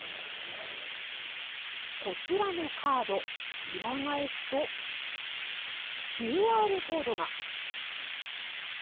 こちらのカード、裏返すと、ＱＲコードが。